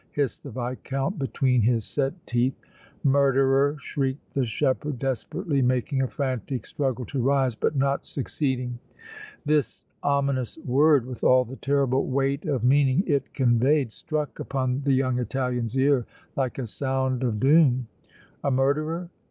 hissed the Viscount, between his set teeth. "Murderer!" shrieked the shepherd, desperately, making a frantic struggle to rise, but not succeeding. This ominous word, with all the terrible weight of meaning it conveyed, struck upon the young Italian's ear like a sound of doom. A murderer?